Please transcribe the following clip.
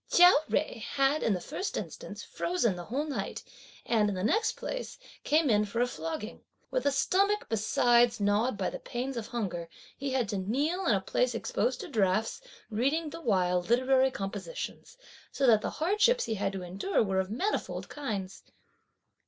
Chia Jui had in the first instance, frozen the whole night, and, in the next place, came in for a flogging. With a stomach, besides, gnawed by the pangs of hunger, he had to kneel in a place exposed to drafts reading the while literary compositions, so that the hardships he had to endure were of manifold kinds.